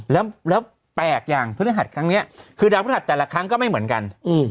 แล้วแปลกอย่างพฤหัสครั้งนี้คือดาวพฤหัสแต่ละครั้งก็ไม่เหมือนกัน